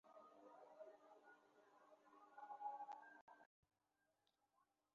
দেশটিতে যেসব সমুদ্র ছিল সেখানে তখন সামুদ্রিক জীবন প্রসার লাভ করলেও দেশটির মাটিতে তখনও কোনও স্থলজ জীবনের বিকাশ হয়নি।